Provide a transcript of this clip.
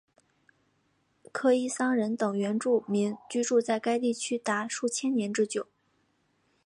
科伊桑人等原住民居住在该地区达数千年之久。